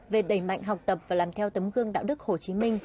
về đẩy mạnh học tập và làm theo tấm gương đạo đức hồ chí minh